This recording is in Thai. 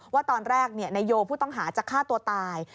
ว่าตอนแรกนายโยผู้ต้องหาจะฆ่าตัวตาย